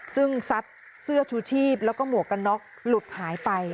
ซึ่งซัดเสื้อชูชีพแล้วก็หมวกกันน็อกหลุดหายไป